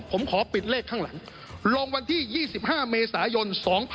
ผมขอปิดเลขข้างหลังลงวันที่๒๕เมษายน๒๕๖๒